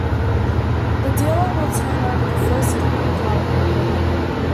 The dealer will turn over the first common card and call it out.